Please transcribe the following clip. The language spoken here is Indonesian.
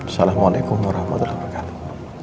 assalamualaikum warahmatullahi wabarakatuh